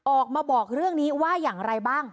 ออกมาบอกเรื่องนี้ว่าอย่างไรบ้าง